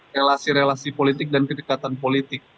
relasi relasi politik dan kedekatan politik